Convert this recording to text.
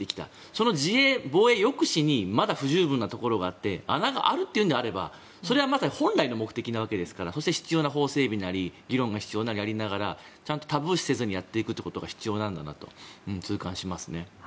その自衛、防衛、抑止にまだ不十分なところがあって穴があるのであれば本来の目的ですから必要な法整備だったり議論をしながらちゃんとタブー視せずにやっていくことが必要なんだと痛感しますね。